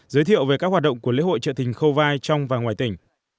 giới thiệu về các hoạt động của lễ hội trợ tình khâu vai trong và ngoài tỉnh